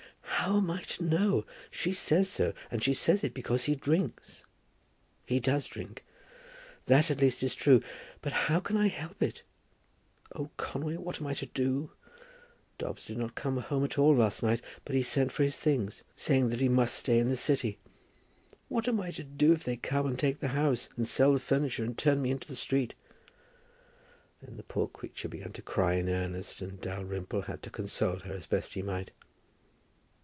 "How am I to know? She says so, and she says it is because he drinks. He does drink. That at least is true; but how can I help it? Oh, Conway, what am I to do? Dobbs did not come home at all last night, but sent for his things, saying that he must stay in the City. What am I to do if they come and take the house, and sell the furniture, and turn me out into the street?" Then the poor creature began to cry in earnest, and Dalrymple had to console her as best he might.